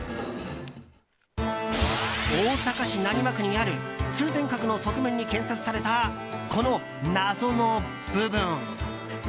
大阪市浪速区にある通天閣の側面に建設されたこの謎の部分。